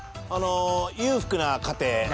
裕福な家庭。